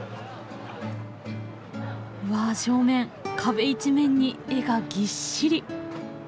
うわ正面壁一面に絵がぎっしり。